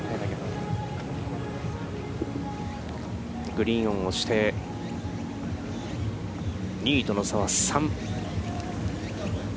グリーンオンをして、２位との差は３。